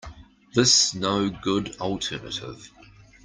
This no good alternative.